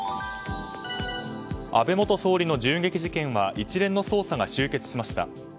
安倍元総理の銃撃事件は一連の捜査が終結しました。